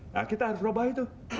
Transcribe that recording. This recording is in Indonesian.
nah kita harus berubah itu